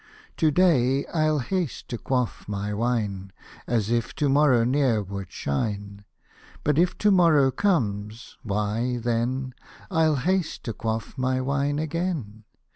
To day I'll haste to quaif my wine, As if to morrow ne'er would shine ; But if to morrow comes, why then — ril haste to quaff my wine again.